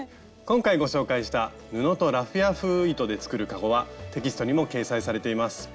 今回ご紹介した「布とラフィア風糸で作るかご」はテキストにも掲載されています。